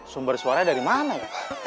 sumber suaranya dari mana ya